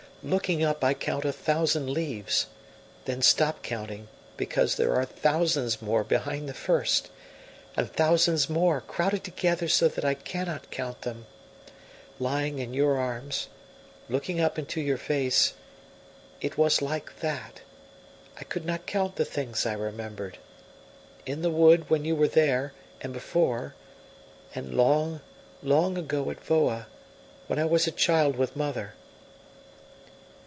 Looking up I count a thousand leaves; then stop counting, because there are thousands more behind the first, and thousands more, crowded together so that I cannot count them. Lying in your arms, looking up into your face, it was like that; I could not count the things I remembered. In the wood, when you were there, and before; and long, long ago at Voa, when I was a child with mother."